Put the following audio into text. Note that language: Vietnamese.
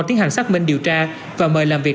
tiến hành xác minh điều tra và mời làm việc